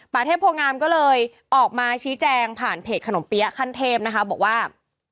เทพโพงามก็เลยออกมาชี้แจงผ่านเพจขนมเปี๊ยะขั้นเทพนะคะบอกว่า